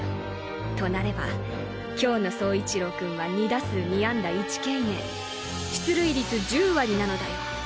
となれば今日の走一郎君は２打数２安打１敬遠出塁率１０割なのだよ。